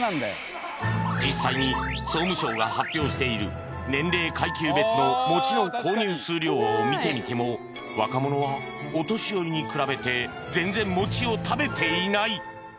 実際に総務省が発表している年齢階級別のもちの購入数量を見てみても若者はお年寄りに比べて全然もちを食べていない